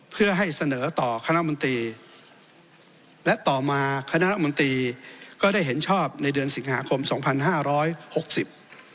เพื่อให้เสนอต่อคณะมนตรีและต่อมาคณะรัฐมนตรีก็ได้เห็นชอบในเดือนสิงหาคมสองพันห้าร้อยหกสิบ